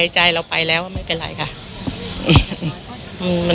ใจเราไปแล้วไม่เป็นไรค่ะ